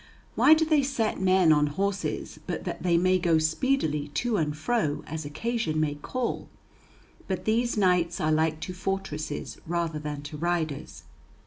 Why do they set men on horses but that they may go speedily to and fro as occasion may call? but these knights are like to fortresses rather than to riders.